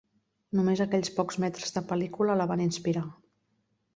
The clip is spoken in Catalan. Només aquells pocs metres de pel·lícula la van inspirar.